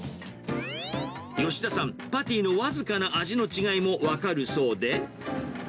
吉田さん、パティの僅かな味の違いも分かるそうで。